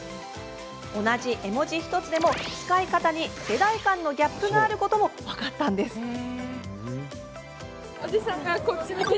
同じ絵文字１つでも使い方に世代間のギャップがあることも分かったんです。